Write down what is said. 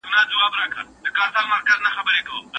تاسي په ژوند کي د مرګ په اړه څونه فکر کړی؟